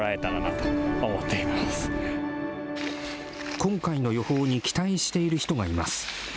今回の予報に期待している人がいます。